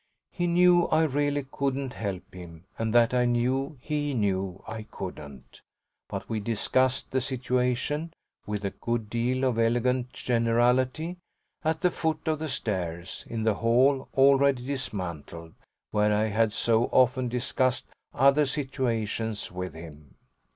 He knew I really couldn't help him and that I knew he knew I couldn't; but we discussed the situation with a good deal of elegant generality at the foot of the stairs, in the hall already dismantled, where I had so often discussed other situations with him.